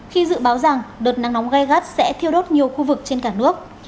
khi dự báo rằng đợt nắng nóng gai gắt sẽ thiêu đốt nhiều khu vực trên cả nước